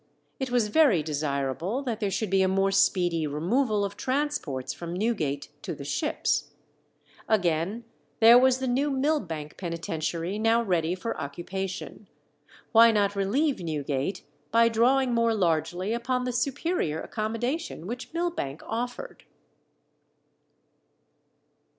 It was very desirable that there should be a more speedy removal of transports from Newgate to the ships. Again, there was the new Millbank penitentiary now ready for occupation. Why not relieve Newgate by drawing more largely upon the superior accommodation which Millbank offered?